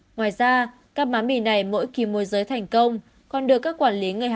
ngoài ra các má mì này mỗi khi mua giới thành công